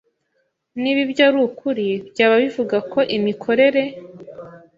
Niba ibyo ari ukuri, byaba bivuga ko imikorere